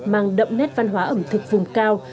mang đậm nét văn hóa ẩm thực vùng cao